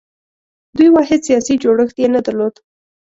دوی واحد سیاسي جوړښت یې نه درلود